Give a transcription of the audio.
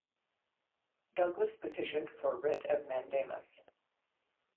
Douglas petitioned for writ of mandamus.